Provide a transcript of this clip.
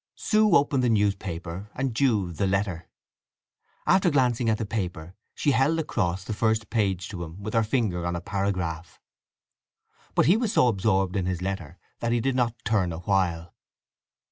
Sue opened the newspaper; Jude the letter. After glancing at the paper she held across the first page to him with her finger on a paragraph; but he was so absorbed in his letter that he did not turn awhile.